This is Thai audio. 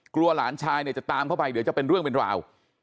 หลานชายเนี่ยจะตามเข้าไปเดี๋ยวจะเป็นเรื่องเป็นราว